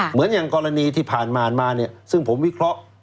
เหมือนอย่างกรณีที่ผ่านมาเนี่ยซึ่งผมวิเคราะห์